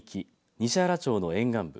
西原町の沿岸部